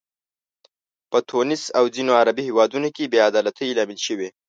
په تونس او ځینو عربي هیوادونو کې بې عدالتۍ لامل شوي.